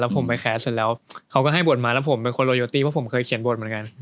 ผมไปแคสเสร็จแล้วเขาก็ให้บทมาแล้วผมเป็นคนโรโยตี้เพราะผมเคยเขียนบทเหมือนกัน